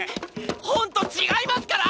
本当違いますから！